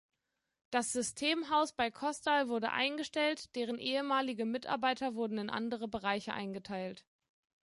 Das Systemhaus bei Kostal wurde eingestellt, deren ehemalige Mitarbeiter wurden in andere Bereiche eingeteilt.